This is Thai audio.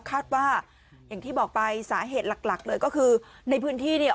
คาดว่าอย่างที่บอกไปสาเหตุหลักหลักเลยก็คือในพื้นที่เนี่ย